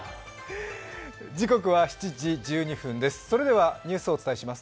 時刻は７時１２分です。